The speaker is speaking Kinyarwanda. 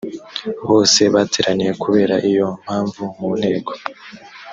bose bateraniye kubera iyo mpamvu mu nteko